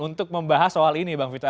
untuk membahas soal ini bang vito